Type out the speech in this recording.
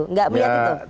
enggak melihat itu